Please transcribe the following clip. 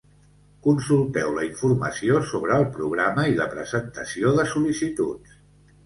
Consulteu la informació sobre el programa i la presentació de sol·licituds.